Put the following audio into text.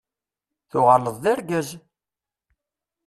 Tuɣaleḍ d argaz!